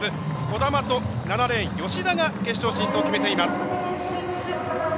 兒玉と７レーン、吉田が決勝進出を決めています。